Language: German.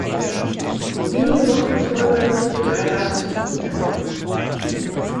Wenige Wochen vor seinem Tod heirateten sie erneut.